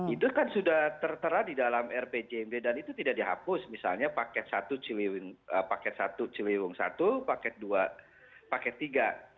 itu kan sudah tertera di dalam rpjmd dan itu tidak dihapus misalnya paket satu paket satu ciliwung satu paket dua paket tiga